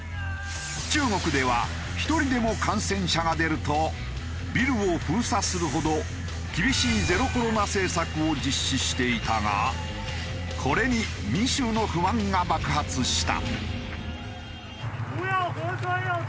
中国では１人でも感染者が出るとビルを封鎖するほど厳しいゼロコロナ政策を実施していたがこれに民衆の不満が爆発した。